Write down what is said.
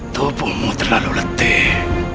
topohmu terlalu letih